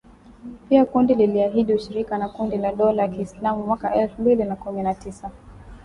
Pia kundi liliahidi ushirika na kundi la dola ya kiislamu mwaka elfu mbili na kumi na tisa